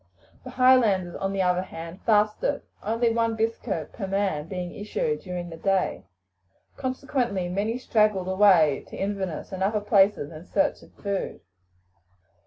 The Highlanders, on the other hand, fasted, only one biscuit per man being issued during the day. Consequently many straggled away to Inverness and other places in search of food.